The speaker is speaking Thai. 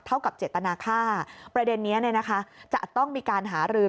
กับเจตนาค่าประเด็นนี้จะต้องมีการหารือ